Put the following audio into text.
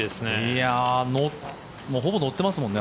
ほぼ乗ってますもんね。